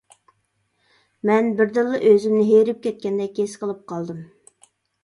مەن بىردىنلا ئۆزۈمنى ھېرىپ كەتكەندەك ھېس قىلىپ قالدىم.